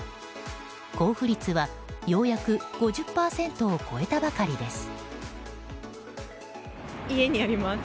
交付率はようやく５０％を超えたばかりです。